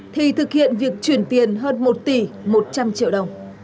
thì thực hiện việc chuyển tiền hơn một tỷ một trăm linh triệu đồng